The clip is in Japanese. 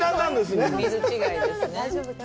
水違いでね。